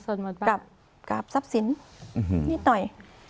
เป็นสดหมดบ้านกับกราบทรัพย์สินอืมนิดหน่อย